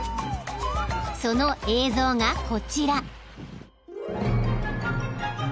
［その映像がこちら］